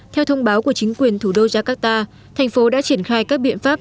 theo thông báo của chính quyền thủ đô jakarta thành phố đã triển khai các biện pháp